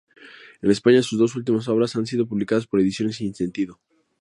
En España, sus dos últimas obras han sido publicadas por Ediciones Sinsentido.